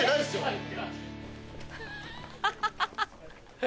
ハッハハハ！